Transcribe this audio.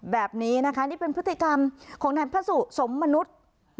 แบบนี้นะคะนี่เป็นพฤติกรรมของนายพระสุสมมนุษย์